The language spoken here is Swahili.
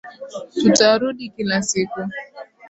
Tutarudi kila siku.